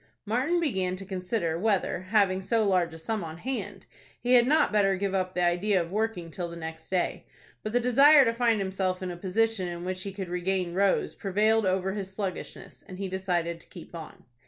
Martin began to consider whether, having so large a sum on hand, he had not better give up the idea of working till the next day; but the desire to find himself in a position in which he could regain Rose prevailed over his sluggishness, and he decided to keep on.